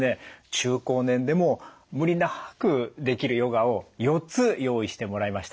中高年でも無理なくできるヨガを４つ用意してもらいました。